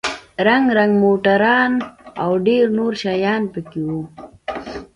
رنگ رنگ موټران او ډېر نور شيان پکښې وو.